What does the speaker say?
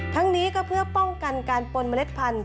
ทั้งนี้ก็เพื่อป้องกันการปนเมล็ดพันธุ